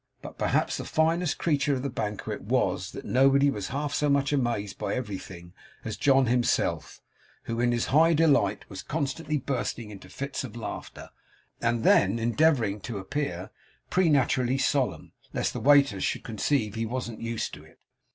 But perhaps the finest feature of the banquet was, that nobody was half so much amazed by everything as John himself, who in his high delight was constantly bursting into fits of laughter, and then endeavouring to appear preternaturally solemn, lest the waiters should conceive he wasn't used to it.